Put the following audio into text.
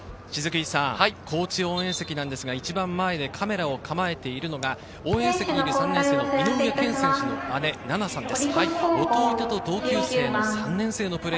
高知応援席なんですが一番前でカメラを構えているのが、応援席にいる３年生のいのうえけん選手の姉・ななさんです。